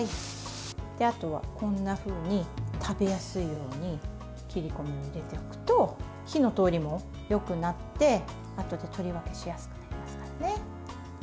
あとは、こんなふうに食べやすいように切り込みを入れていくと火の通りもよくなってあとで取り分けしやすくなりますね。